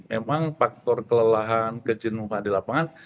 memang faktor kelelahan kejenuhan di lapangan